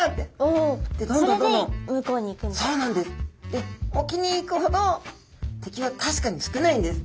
で沖に行くほど敵は確かに少ないんです。